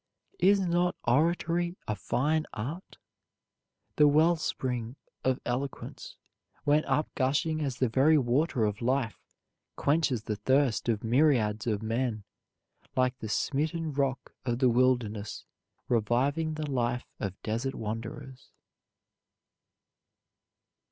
Is not oratory a fine art? The well spring of eloquence, when up gushing as the very water of life, quenches the thirst of myriads of men, like the smitten rock of the wilderness reviving the life of desert wanderers.